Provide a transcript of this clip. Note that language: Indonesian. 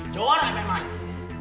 joran emang itu